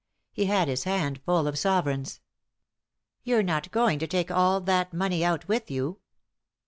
He had his hand full of sovereigns. "You're not going to take all that money out with you